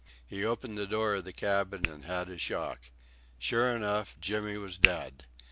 He opened the door of the cabin and had a shock. Sure enough, Jimmy was dead!